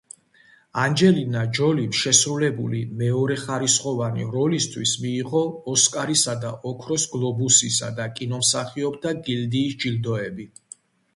ანჯელინა ჯოლიმ შესრულებული მეორეხარისხოვანი როლისთვის მიიღო ოსკარისა და ოქროს გლობუსისა და კინომსახიობთა გილდიის ჯილდოები.